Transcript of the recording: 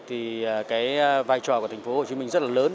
thì cái vai trò của thành phố hồ chí minh rất là lớn